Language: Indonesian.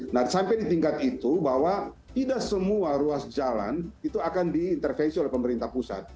nah sampai di tingkat itu bahwa tidak semua ruas jalan itu akan diintervensi oleh pemerintah pusat